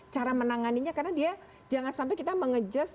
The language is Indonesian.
cara menanganinya karena dia jangan sampai kita mengejus